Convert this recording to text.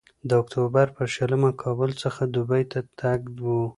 د اکتوبر پر شلمه کابل څخه دوبۍ ته تګ و.